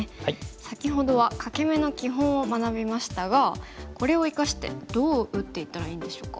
先ほどは欠け眼の基本を学びましたがこれを生かしてどう打っていったらいいんでしょうか？